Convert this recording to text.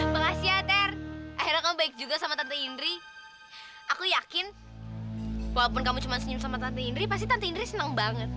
penghasiater akhirnya kamu baik juga sama tante indri aku yakin walaupun kamu cuman senyum sama tante indri pasti tante indri senang banget